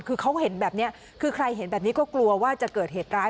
คือเขาเห็นแบบนี้คือใครเห็นแบบนี้ก็กลัวว่าจะเกิดเหตุร้าย